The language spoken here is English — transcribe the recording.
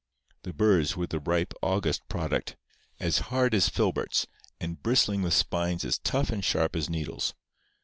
The burrs were the ripe August product, as hard as filberts, and bristling with spines as tough and sharp as needles.